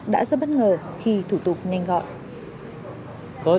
đã rất bất ngờ khi thủ tục nhanh gọi